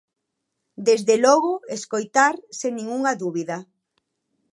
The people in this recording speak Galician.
Desde logo, escoitar, sen ningunha dúbida.